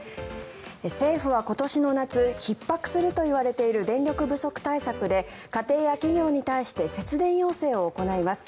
政府は今年の夏ひっ迫するといわれている電力不足対策で家庭や企業に対して節電要請を行います。